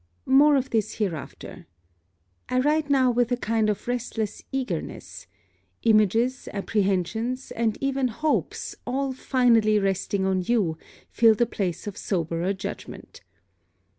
More of this hereafter. I write now with a kind of restless eagerness. Images, apprehensions, and even hopes, all finally resting on you, fill the place of soberer judgment.